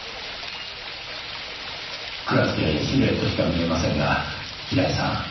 暗くてシルエットしか見えませんが平井さん